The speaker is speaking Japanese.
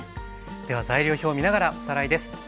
では材料表を見ながらおさらいです。